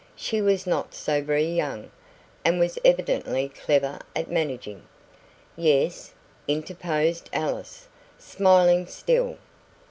She was not so very young, and was evidently clever at managing " "Yes," interposed Alice, smiling still.